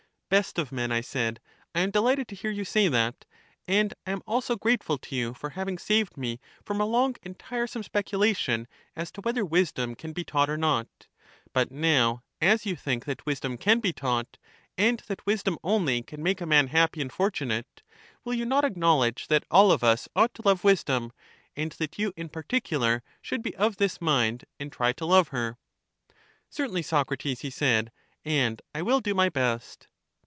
Best of men, I said, I am delighted to hear you say that ; and I am also grateful to you for having saved me from a long and tiresome speculation as to whether wisdom can be taught or not. But now, as you think that wisdom can be taught, and that wisdom only can make a man happy and fortunate, will you not acknowledge that all of us ought to love wisdom, and that you in particular should be of this mind and try to love her? Certainly, Socrates, he said; and I will do my best.